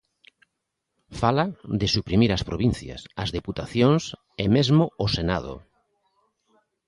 Fala de suprimir as provincias, as deputacións e mesmo o Senado...